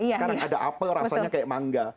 sekarang ada apel rasanya kayak mangga